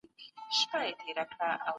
د واک انحصار بايد په کلکه وغندل سي.